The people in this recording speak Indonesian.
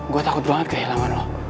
gue takut banget kehilangan lo